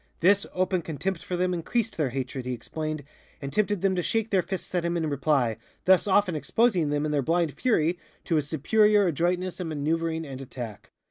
This open contempt for them increased their hatred, he explained, and tempted them to shake their fists at him in reply, thus often exposing them in their blind fury to his superior adroitness in maneuvering and attack."